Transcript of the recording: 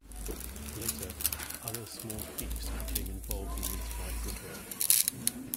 Later other small fiefs became involved in these fights as well.